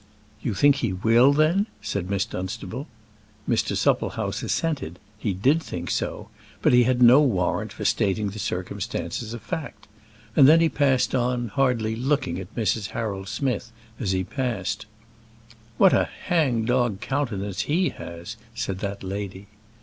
"You think he will, then?" said Miss Dunstable. Mr. Supplehouse assented; he did think so; but he had no warrant for stating the circumstance as a fact. And then he passed on, hardly looking at Mrs. Harold Smith as he passed. "What a hang dog countenance he has," said that lady.